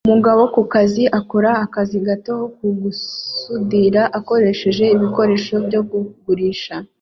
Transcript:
Umugabo ku kazi akora akazi gato ko gusudira akoresheje ibikoresho byo kugurisha